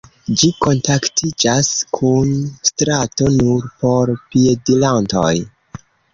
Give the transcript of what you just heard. Ĝi kontaktiĝas kun strato nur por piedirantoj.